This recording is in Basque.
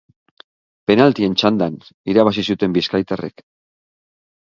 Penaltien txandan irabazi zuten bizkaitarrek.